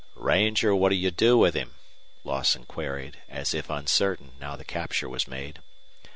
"Ranger, what'll you do with him?" Lawson queried, as if uncertain, now the capture was made.